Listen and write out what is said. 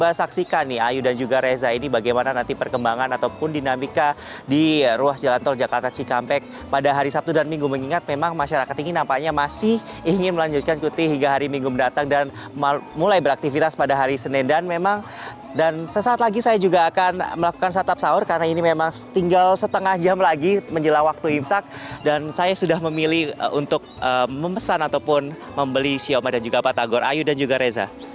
baik adi kalau misalkan saya lihat memang cukup keras dari perkembangan ini juga reza ini bagaimana nanti perkembangan ataupun dinamika di ruas jalan tol jakarta cikampek pada hari sabtu dan minggu mengingat memang masyarakat ini nampaknya masih ingin melanjutkan cuti hingga hari minggu mendatang dan mulai beraktivitas pada hari senedan memang dan sesaat lagi saya juga akan melakukan setup sahur karena ini memang tinggal setengah jam lagi menjelang waktu imsak dan saya sudah memilih untuk memesan ataupun membeli sioma dan juga patagor ayo dan juga reza